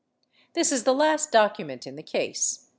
This is the last document in the case.